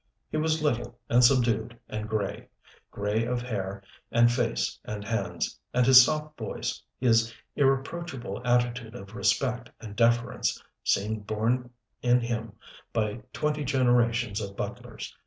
He was little and subdued and gray, gray of hair and face and hands, and his soft voice, his irreproachable attitude of respect and deference seemed born in him by twenty generations of butlers.